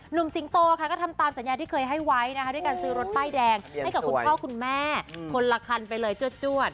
สิงโตค่ะก็ทำตามสัญญาที่เคยให้ไว้นะคะด้วยการซื้อรถป้ายแดงให้กับคุณพ่อคุณแม่คนละคันไปเลยจวด